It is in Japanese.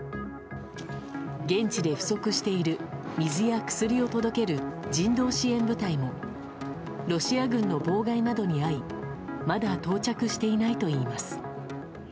現地で不足している水や薬を届ける人道支援部隊もロシア軍の妨害などに遭いまだ到着していないといいます。